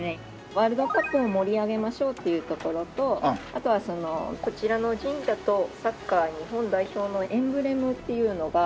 ワールドカップを盛り上げましょうというところとあとはこちらの神社とサッカー日本代表のエンブレムっていうのが。